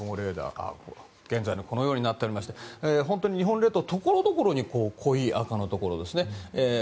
現在このようになっていまして日本列島のところどころに濃い赤のところ。